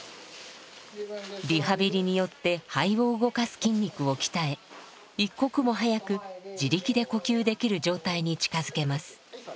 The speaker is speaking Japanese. リハビリによって肺を動かす筋肉を鍛え一刻も早く自力で呼吸できる状態に近づけます。